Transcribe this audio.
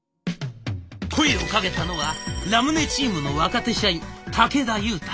声をかけたのはラムネチームの若手社員武田優太。